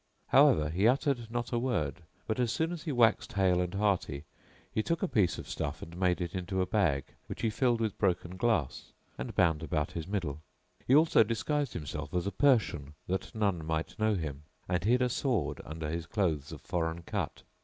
However he uttered not a word; but, as soon as he waxed hale and hearty, he took a piece of stuff and made it into a bag which he filled with broken glass and bound about his middle. He also disguised himself as a Persian that none might know him, and hid a sword under his clothes of foreign cut.